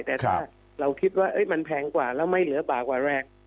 แต่ถ้าเราคิดว่ามันแพงกว่าแล้วไม่เหลือบากกว่าแรง